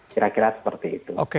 kira kira seperti itu